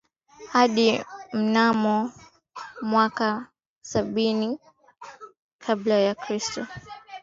hadi mnamo mwaka sabini kabla ya kristo